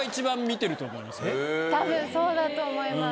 たぶんそうだと思います。